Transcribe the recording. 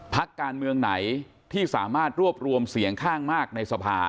พักการเมืองไหนที่สามารถรวบรวมเสียงข้างมากในสภา